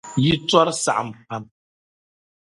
Yi tɔri saɣim pam.